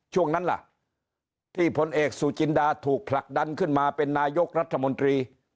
ช่วงนั้นล่ะที่ผลเอกสุจินดาถูกผลักดันขึ้นมาเป็นนายกรัฐมนตรี